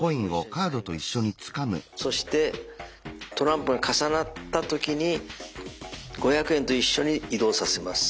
そしてトランプが重なった時に五百円と一緒に移動させます。